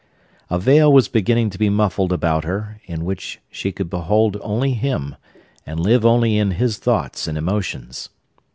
A veil was beginning to be muffled about her, in which she could behold only him, and live only in his thoughts and emotions.